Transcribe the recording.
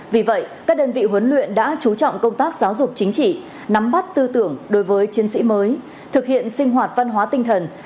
vì vậy các đơn vị huấn luyện đã chú trọng công tác giáo dục chính trị nắm bắt tư tưởng đối với chiến sĩ mới thực hiện sinh hoạt văn hóa tinh thần